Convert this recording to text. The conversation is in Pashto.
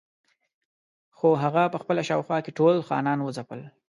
خو هغه په خپله شاوخوا کې ټول خانان وځپل.